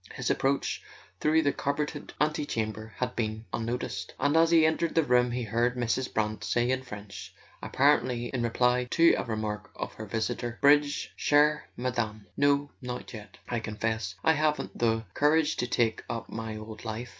His approach through the carpeted antechamber had been unnoticed, and as he entered the room he heard Mrs. Brant say in French, apparently in reply to a remark of her visitor: "Bridge, chere Madame? No; not yet. I confess I haven't the courage to take up my old life.